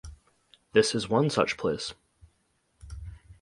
This is one such place.